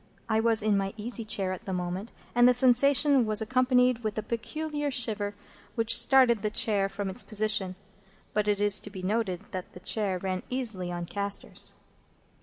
I was in my easy chair at the moment, and the sensation was accompanied with a peculiar shiver which started the chair from its position. (But it is to be noted that the chair ran easily on castors.)